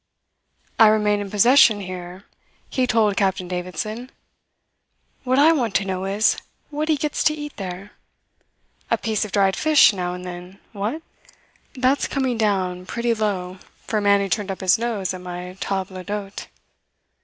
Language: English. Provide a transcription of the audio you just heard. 'I remain in possession here,' he told Captain Davidson. What I want to know is what he gets to eat there. A piece of dried fish now and then what? That's coming down pretty low for a man who turned up his nose at my table d'hote!"